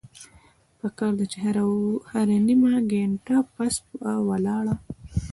پکار ده چې هره نيمه ګنټه پس پۀ ولاړه